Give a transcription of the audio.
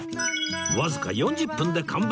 わずか４０分で完売